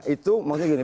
itu maksudnya gini